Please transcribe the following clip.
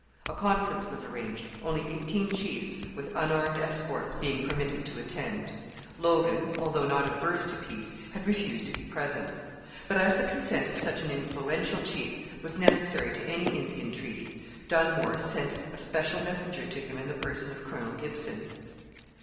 A conference was arranged, only eighteen chiefs, with unarmed escorts, being permitted to attend. Logan, although not averse to peace, had refused to be present. But as the consent of such an influential chief was necessary to any Indian treaty, Dunmore sent a special messenger to him in the person of Colonel Gibson.